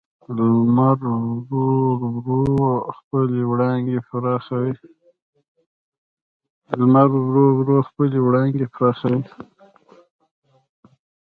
لمر ورو ورو خپلې وړانګې پراخولې.